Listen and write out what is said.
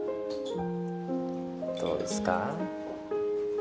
どうですか？